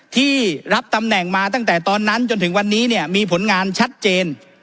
ที่รับตำแหน่งมาตั้งแต่ตอนนั้นจนถึงวันนี้เนี่ยมีผลงานชัดเจน